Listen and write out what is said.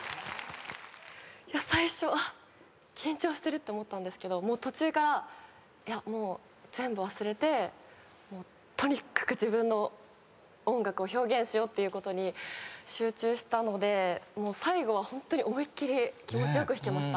最初緊張してるって思ったんですけど途中から全部忘れてとにかく自分の音楽を表現しようっていうことに集中したので最後はホントに思いっ切り気持ち良く弾けました。